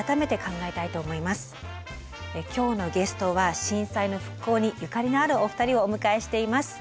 今日のゲストは震災の復興にゆかりのあるお二人をお迎えしています。